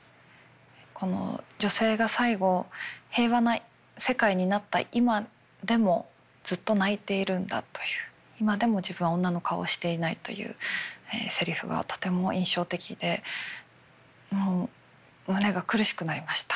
この女性が最後平和な世界になった今でもずっと泣いているんだという今でも自分は女の顔をしていないというせりふがとても印象的でもう胸が苦しくなりました。